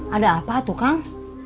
ada apa tuh kang